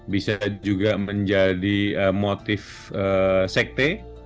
bisa juga menjadi motif sekte